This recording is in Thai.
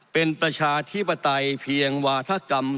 เป็นประชาธิปไตยเพียงวาธกรรม